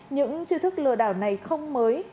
những chư thức lừa đảo này không mới